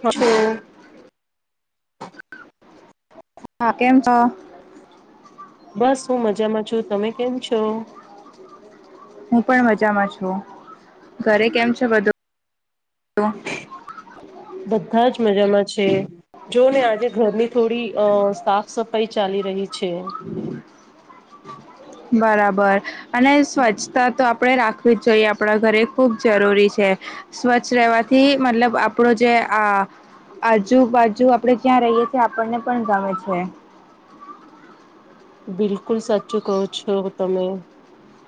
હ [unintelligible] હા કેમ છો? બસ હું મજામાં છું. તમે કેમ છો? હું પણ મજામાં છું, ઘરે કેમ છે બધું? તો બધા જ મજામાં છે, જો ને આજે ઘરની થોડી અ સાફ સફાઈ ચાલી રહી છે. [inaudible] પણ અને સ્વચ્છતા તો આપણે રાખ જોઈએ આપણા ઘરે ખૂબ જરૂરી છે, સ્વચ્છ રહેવાથી મતલબ આપણો જે આ. આજુબાજુ આપણે જ્યાં રહીએ છીએ આપણને પણ ગમે છે, બિલકુલ સાચ કહ છો તમે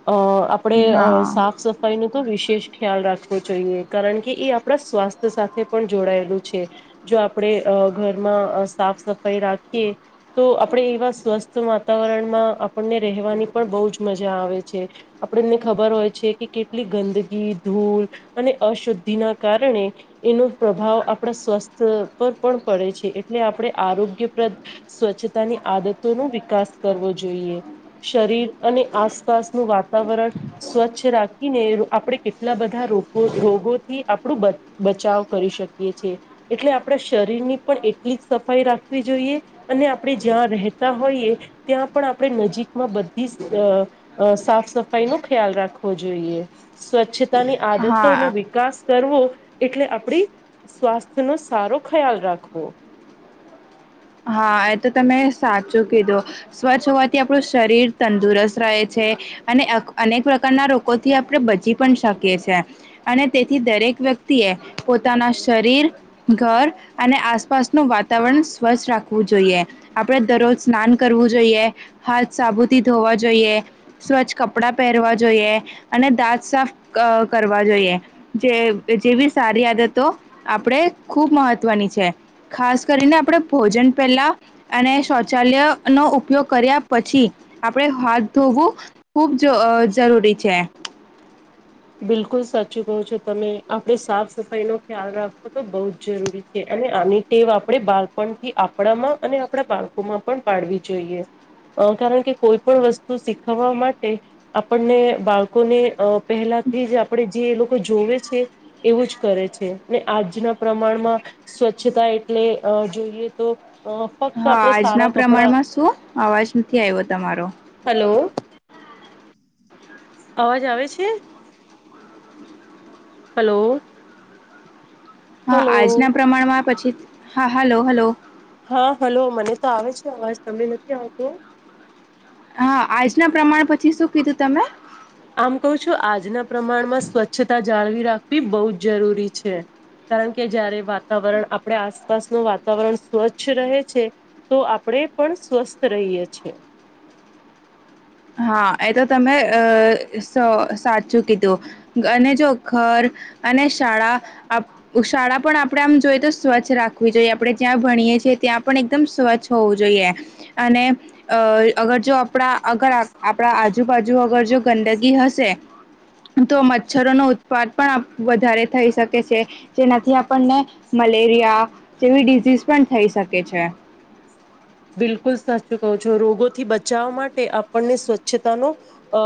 અ આપણે હા સાફ સફાઈ ન વિશેષ ખ્યાલ રાખવો જોઈએ, કારણ કે એ આપણા સ્વાસ્થ્ય સાથે પણ જોડાયેલું છે, જો આપણે ઘરમાં સાફ સફાઈ રાખીએ તો આપણે એવા સ્વસ્થ વાતાવરણમાં આપણને રહેવાની પણ બહુ જ મજા આવે છે, આપણને ખબર હોય છે, કે કેટલી ગંદકી ધૂંડ અને અશુદ્ધિ ના કારણે એનો પ્રભાવ આપણા સ્વસ્થ પર પણ પડે છે, એટલે આપણે આરોગ્યપ્રદ સ્વચ્છતાની આદતોનું વિકાસ કરવો જોઈએ શરીર અને આસપાસનું વાતાવરણ સ્વચ્છ રાખી આપણે કેટલા બધા રોગોથી આપણું બચાવ કરી શકીએ છે, એટલે આપણા શરીરની પણ એટલી જ સફાઈ રાખવી જોઈએ, અને આપણે જ્યાં રહેતા હોઈએ ત્યાં પણ આપણે નજીકમાં બધી સાફસફાઈ નો ખ્યાલ રાખવો જોઈએ, સ્વચ્છતાની હા આંદતોનું વિકાસ કરવો એટલે આપડી સ્વાસ્થ્યનો સારો ખ્યાલ રાખવો. [inaudible] હા એ તો તમે સાચું કીધું સ્વચ્છ હોવાથી આપણું શરીર તંદુરસ્ત રહે છે, અનેક પ્રકારના રોગથી આપણે બચી પણ શકી છીએ અને તેથી દરેક વ્યક્તિ એ પોતાના શરીર ઘર અને આસપાસનું વાતાવરણ સ્વચ્છ રાખવુ જોઈએ આપણે દરરોજ સ્નાન કરવું જોઈએ, હાથ સાબુથી ધોવા જોઈએ સ્વચ્છ કપડાં પહેરવા જોઈએ, અને દાંત સાફ કરવા જોઈએ, જેવી સારી આદતો આપણે ખૂબ મહત્વની છે, ખાસ કરીને આપણે ભોજન પેલા અને શૌચાલય નો ઉપયોગ કર્યા પછી આપણે હાથ ધોવું ખૂબ જરૂરી છે બિલકુલ સાચું કહો છો તમે આપણે સાફસફાઈનો ખ્યાલ રાખોતો બહુજ જરૂરી છે, અને આની ટેવ આપણે બાળપણથી આપણામાં અને આપણા બાળકોમાં પણ પાડવી જોઈએ અ કારણ કે કોઈ પણ વસ્તુ શીખવવા માટે આપણને બાળકોને અ પહેલા થીજ આપડે જે લોકો જોવે છે એવું જ કરે છે ને આજના પ્રમાણમાં સ્વચ્છતા એટલે જોઈએ તો અ ફક્ત હા આપડે આજના સારા કપડા પ્રમાણમાં શું અવાજ નથી આવ્યો તમારો હલો અવાજ આવે છે હલો હા હલો આજના પ્રમાણમાં પછી હા હલો હલો હા હલો મને તો આવે છે અવાજ તમને નથી આવતો હા આજના પ્રમાણ પછી શું કીધું તમે આમ કહું છું આજના પ્રમાણમાં સ્વચ્છતા જાળવી રાખવી બહુ જ જરૂરી છે કારણ કે જયારે વાતાવરણ આપણે આસપાસનું વાતાવરણ સ્વચ્છ રહે છે તો આપણે આપણે પણ સ્વસ્થ રહીએ છે [inaudible] [inaudible] હા એ તો તમે અ સ સાચું કીધું અને જો ઘર અને શાળા શાળા પણ આપણેે આમ જોઈએ તો સ્વચ્છ રાખવી જોઈએ આપડણે જ્યાં ભણીએ ત્યાં પણ એકમ સ્વચ્છ હોવું જોઈએ અને અ અગર જો આપણા અગર આપણા આજુબાજુ અગર જો ગંદગી હશે તો મચ્છરો નો ઉત્પાદ પણ વધારે થઈ શકે છે જેનાથી આપણને મલેરિયા જેવી ડિઝિઝ પણ થઈ શકે છે બિલકુલ સાચું કહો છો રોગોથી બચાવવા માટે આપણને સ્વચ્છતાનો અ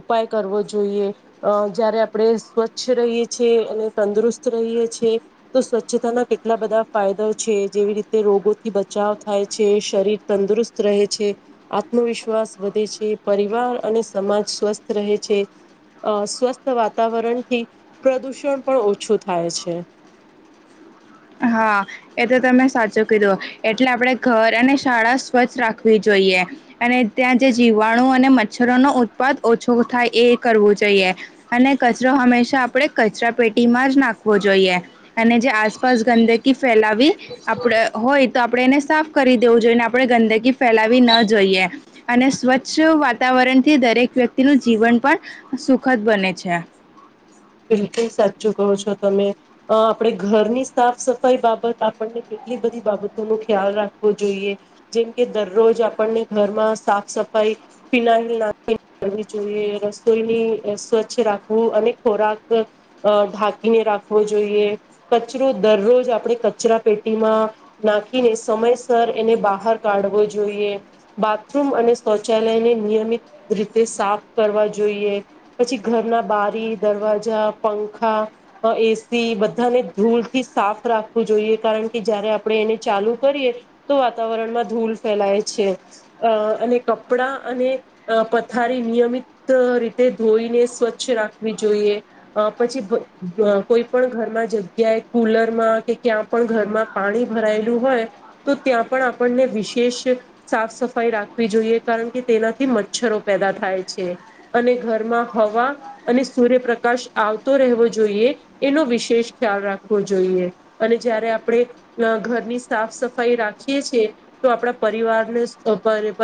ઉપાય કરવો જોઈએ અ જયારે આપણે સ્વચ્છ રહીએ છીએ અને તંદુરસ્ત રહીએ છે તો સ્વચ્છતાના કેટલા બધા ફાયદા છે જેવી રીતે રોગોથી બચાવ થાય છે શરીર તંદુરસ્ત રહે છે આત્મવિશ્વાસ વધે છે પરિવાર અને સમાજ સ્વસ્થ રહે છે અ સ્વસ્થ વાતાવરણથી પ્રદુષણ પણ ઓછું થાય છે હા એ તો તમે સાચો કિધો એટલે આપણે ઘર અને શાળા સ્વચ્છ રાખવી જોઈએ અને ત્યાં જે જીવાણું અને મચ્છર રોનો ઉત્પાદ ઓછો થાય એ કરવું જોઈએ. અને કચરો હંમેશા આપણે કચરા પેટી ટીમાજ નાખવો જોઈએ. અને જે આ ગંદકી ફેલાવી આપણે હોય તો આપણે એને સાફ કરી દેવું જોઈ. ને આપણે ગંદકી ફેલાવી ન જોઈએ. અને સ્વચ્છ વાતાવરણથી દરેક વ્યક્તિનું જીવન પણ સુખદ બને છે. બિલકુલ સાચું કહો છો તમે. અ આપણે ઘરની સાફ સફાઈ બાબત આપણને એટલી બધી બાબતો ન ખ્યાલ રાખવો જોઈએ. જેમકે દરરોજ આપણને ઘરમાં સાફ સફાઈ ફીનાલ નાખ જોઈએ. રસોઈની સ્વચ્છ રાખવું. અને ખોરાક અ ઢાંકીને રાખવો જોઈએ. કચરો દરરોજ આપણે કચરા પેટી ટીમાં નાખીને સમયસર એને બહાર કાઢવો જોઈએ. બાથરૂમ અને શૌચાલયને નિયમિત રીતે સાફ કરવા જોઈએ. પછી ઘરના બારી દરવાજા, પંખા, એસી બધાને ધૂળથી સાફ રાખવું જોઈએ કારણ જયારે આપણે એને ચાલુ કરીએ તો વાતાવરણમાં ધૂલ ફેલાય છે. અ અને કપડા અને અ પથારી નિયમિત રીતે ધોઈને સ્વચ્છ રાખ ખવી જોઈએ. પછી પ અ કોઈ પણ ઘરમાં જગ્યાએ કુલરમાં કે ક્યાં પણ ઘરમાં પાણી ભરાયેલું હોય, તો ત્યાં પણ આપણને વિશેષ સાફ સફાઈ રાખવી વી જોઈએ. કારણ કે તેનાથી મચ્છરો પેદા થાય છે. અને ઘરમાં હવા અને સૂર્યપ્રકાશ આવતો રહેવો જોઈએ. એનો વિશેષ ખ્યાલ રાખવો જોઈએ. અને જયારે આપણે ન ઘરની સાફ સફાઈ રાખીએ છીએ. તો આપણા પરિવારનો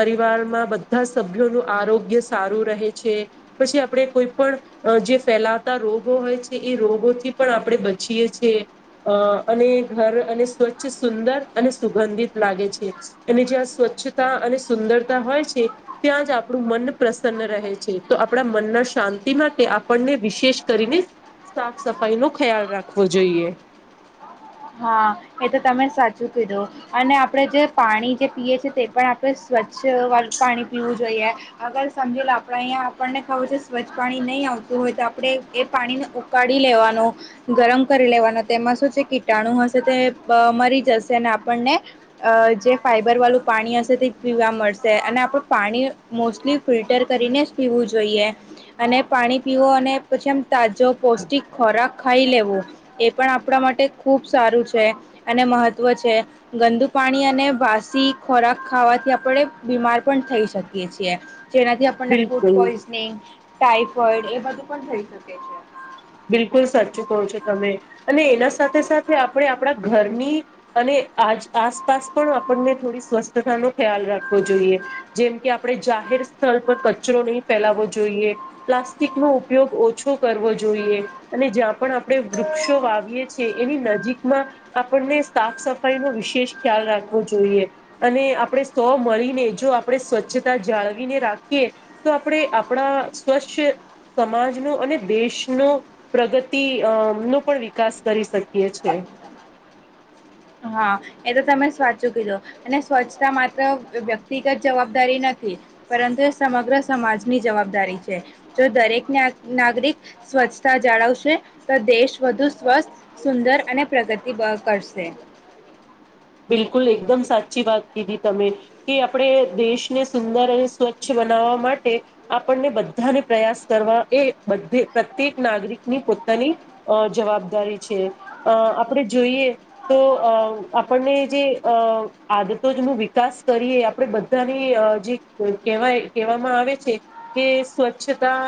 પરિવારમાં બધા સભ્યો નું આરોગ્ય સારું રહે છે. પછી આપણે કોઈ પણ અ જે ફેલાતા રોગો હોય છે. એ રોગોથી પણ આપણે બચીએ છીએ. અ અને ઘર અને સ્વચ્છ સુંદર અને સુગંધિત લાગે છે, અને જ્યાં સ્વચ્છ સ્છતા અને સુંદરતા હોય છે, ત્યાં જ આપણું મન પ્રસન્ન રહે છે. તો આપણા મન શાંતિ માટે તે આપણને વિશેષ કરીને સાફ સફાઈ નો ખ્યાલ રાખવો જોઈએ. હા. એ તો તમે સાચું કીધું. અને આપડે જે પાણી જે પીએ છીએ, તે પણ આપણે સ્વચ્છ હલ પાણી પીવું જોઈએ, આગળ સમજીલો આપડા અહીંયા આપણને ખબર છે, સ્વચ્છ પાણી નહીં આવતું હોયતો આ આપણે એ પાણીને ઉકાળી લેવાનો, ગરમ કરી લેવાનો. તેમાં શું છે, કીટાણુ હશે તો તે બ મરી જશે. અને આપણને જે ફાઈબરવાળું પાણી હશે તે પીવા મળશ સે અને આપણે પાણી મોસ્ટલી ફિલ્ટર કરીને જ પીવું જોઈએ. અને પાણી પીવ અને પછી આમ તાજો પૌષ્ટિક ખોરાક ખાઈ લેવો. એ પણ આપણા માટે ખુબ સારું છ છે. અને મહત્વ છે. ગંદુ પાણી અને બાસી ખોરાક ખાવાથી આપણે બીમાર પણ થઈ શકીએ છીએ. જેનાથી આપણને ફૂડ બિલકુલ પોઈઝનિંગ, ટાઈફોઈડ એ બધું પણ થઈ શકે છે. બિલકુલ સાચું કહો છો તમે, અને એના સાથે સાથે આપણે આપણા ઘરની અને આજ આસપાસ પણ આપને થોડી સ્વસ્થતા નો ખ્યાલ રાખવો જોઈએ, જેમ કે આપણે ચા જાહેર સ્થળ પર કચરો નહી ફેલાવવો જોઈએ, પ્લાસ્ટિક નો ઉપયોગ ઓછો કરવો જોઈએ. જોઈએ. અને જ્યાં પણ આપણે વૃક્ષો વાવીએ છીએ, એની નજીકમાં આપણને સાફ સફાઈ નો વિશેષ ખ્યાલ રાખવો જોઈએ, અને આપણે સૌ મળીને જો આપણે સ્વચ્છતા જાળવીને રાખીએ, તો આપણે આપણા સ્વચ્છ સમાજનો અને દેશ નો પ્રગતિ અ નો પણ વિકાસ કરી શકીએ છીએ. હા, એ તો તમે સાચું કીધુ. અને સ્વચ્છતા માત્ર વ્યક્તિગત જવાબદારી નથી તી પરંતુ એ સમગ્ર સમાજની જવાબદારી છે. જો દરેક નાગરિક સ્વ સ્વચછતા જાળવશે, તો દેશ વધુ સ્વસ્થ, સુંદર અને પ્રગતિ કરશે બિલકુલ એકદમ સાચી વાત કીધી તમે, કે આપણે દેશને સુંદર અને સ્વચ્છ બનાવવા માટે આપણને બધાને પ્રયાસ કરવા એ બધ પ્રત્યેક નાગરિકની પોતાની અ જવાબદારી છે, અ આપણેે જોઈએ તો અ આ આપણને જે અ આદતો ન વિકાસ કરીએ, આપણે બધાની અ જે કહેવા કહેવામાં આવે છે, કે સ્વચ્છતા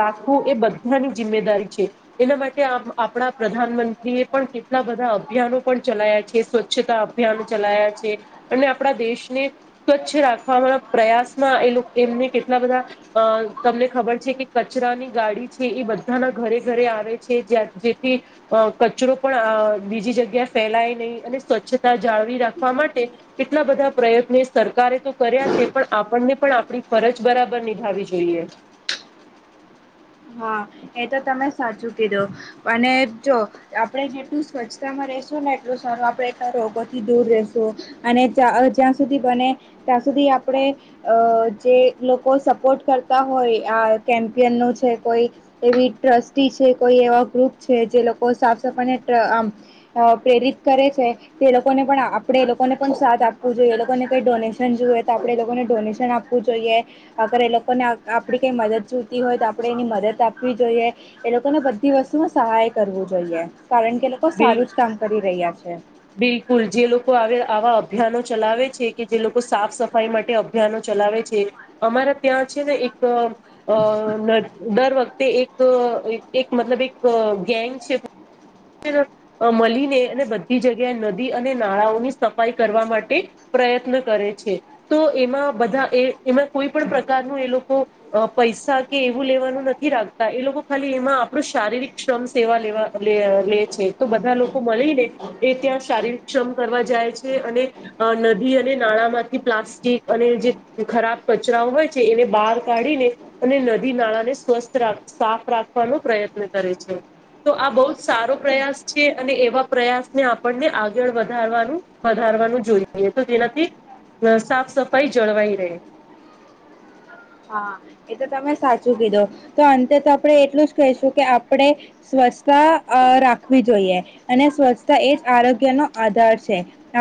રાખવું એ બધાને જિમ્મેદારી છે, એના માટે આપણા પ્રધાનમંત્રી એ પણ કેટલા બધા અભિયાનો પણ ચલાયા છે સ્વચ્છતા અભિયાન ચલાયા છે અને આપણા દેશને સ્વચ્છ રાખવાવામાં પ્રયાસમાં એ લોકો એમને કેટલા બધા અ તમને ખબર છે કે કચરાની ગાડી છે, એ બધાના ઘરે ઘરે આવે છે, જેથી કચરો પણ બીજી જગ્યા ફેલાય નહી, અને સ્વચ્છતા જાળવી રાખવા માટે એટલા બધા પ્રયત્ને સરકારે તો કર્યા છે. છે પણ આપણને પણ આપણી ફરજ બરાબર નિભાવી જોઈએ [unintelligible] એ તો તમે સાચું કીધું અને જો આપણે એટલું સ્વચ્છતામાં રેશોને સારું આપણે રોગોથી દૂર રશું અને જ્યાં સુધી બને ત્યાં સુધી આપણે અ જે લોકો સપોર્ટ કરતા હોય, આ કેમ્પિયનનું છે કોઈ એવી ટ્રસ્ટી છે કોઈ એવા ગ્રુપ છે જે લોકો સાફ સફાઈને પ્રેરિત કરે છે, લોકોને પણ આપે એ લોકોને પણ સાથ આપવો જોઈએ, એ લોકોને કઈ ડોનેશન જોવે તો આપણેે એ લોકોને ડોનેશન આપવું જોઈએ, અગર એ લોકોને આપણી કઈ મદદ જોતી હોય તો આપણે એની મદદ આપવી જોઈએ એ લોકોને બધી વસ્તુમાં સહાય કરવું જોઈએ. કારણ કે લોકો બિલ સારું જ કામ કરી રહ્યા છે, બિલકુલ જે લોકો આવા અભિયાનો ચલાવે છે, કે જે લોકો સાફસફાઈ માટે અભિયાનો ચલાવે છે અમારા ત્યાં છે ને એક અ દર વખતે એક મતલબ એક ગેંગ છે. મળીને અને બધી જગ્યાએ નદી અને નાળાઓની સફાઈ કરવા માટે પ્રયત્ન કરે છે, તો એમાં બધા એ એમાં કોઈ પણ પ્રકારનું એ લોકો પૈસા કે એવું લેવાનું નથી રાખતા એ લોકો ખાલી એમાં આપડું શારીરિક શ્રમ સેવા લેવા લે છે. તો બધા લોકો મળીને એ ત્યાં શારીર શ્રમ કરવા જાય છે અને નદી અને નાણાં માંથી પ્લાસ્ટિક અને જે ખરાબ કચરા હોય છે એને બહાર કાઢીને અને નદી નાળાને સ્વસ્થ સાફ રાખવાનો પ્રયત્ન કરે છે. તો આ બહુ જ સારો પ્રયાસ છે. અને એવા પ્રયાસને આપણને આગળ વધારવાનું વધારવાનું જોઈએ તો નદી સાફ સફાઈ જળવાઈ રહે. [inaudible] હા એ તો તમે સાચું કીધું તો અંતે તો આપે એટલું જ કહીશું કે આપણે સ્વચ્છતા રાખવી જોઈએ અને સ્વચ્છતા એ જ આરોગ્યનો આધાર છે આપડે